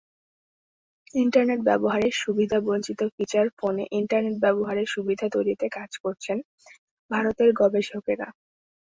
Internet ব্যবহারের সুবিধাবঞ্চিত feature ফোনে ইন্টারনেট ব্যবহারের সুবিধা তৈরিতে কাজ করছেন ভারতের গবেষকেরা।